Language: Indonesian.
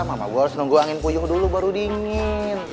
mama gue harus nunggu angin puyuh dulu baru dingin